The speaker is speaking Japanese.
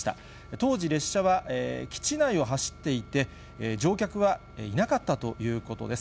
当時、列車は基地内を走っていて、乗客はいなかったということです。